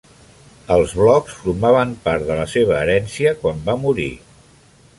Els blocs formaven part de la seva herència quan va morir.